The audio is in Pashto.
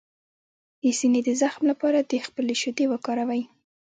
د سینې د زخم لپاره د خپلې شیدې وکاروئ